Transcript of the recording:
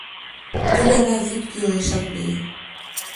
Ты гана вӱд кӱлешак лие.